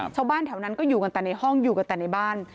ชาวบ้านแถวนั้นก็อยู่กันแต่ในห้องอยู่กันแต่ในบ้าน